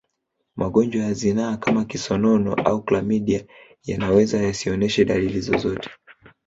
Magonjwa ya zinaa kama kisonono au klamidia yanaweza yasionyeshe dalili zozote